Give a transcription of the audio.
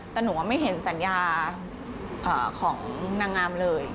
แต่หนูว่าไม่เห็นสัญญาของนางงามเลย